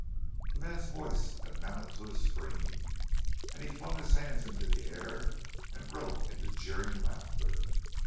_" The man's voice had mounted to a scream, and he flung his hands into the air and broke into jeering laughter.